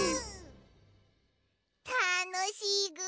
たのしいぐ。